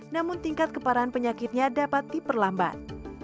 namun tingkat keparahan penyakitnya dapat diperlambat